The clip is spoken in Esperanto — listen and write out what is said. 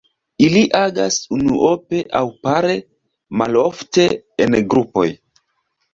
Ili agas unuope aŭ pare, malofte en grupoj.